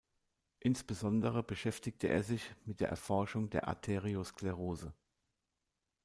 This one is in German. Insbesondere beschäftigte er sich mit der Erforschung der Arteriosklerose.